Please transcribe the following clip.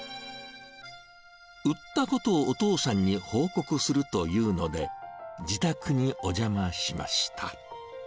売ったことをお父さんに報告するというので、自宅にお邪魔しました。